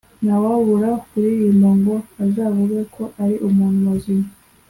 ntawabura kuririmba ngo uzavuge ko ari umuntu muzima